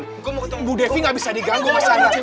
gue mau ketemu bu devi gak bisa diganggu mas chandra